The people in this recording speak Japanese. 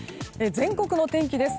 全国の天気です。